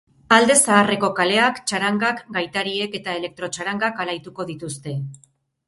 Alde zaharreko kaleak txarangak, gaitariek eta elektro txarangak alaituko dituzte.